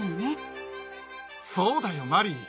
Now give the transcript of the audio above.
そうだよマリー。